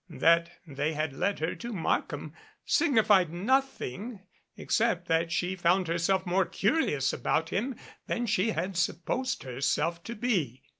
That they had led her to Markham signified nothing except that she found herself more curi ous about him than she had supposed herself to be.